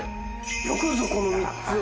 よくぞこの３つを。